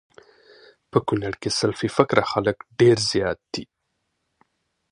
په کونړ کي سلفي فکره خلک ډير زيات دي